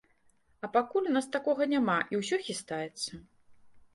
А пакуль у нас такога няма і ўсё хістаецца.